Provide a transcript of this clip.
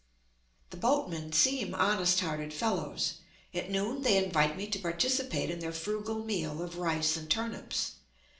The boatmen seem honest hearted fellows; at noon they invite me to participate in their frugal meal of rice and turnips.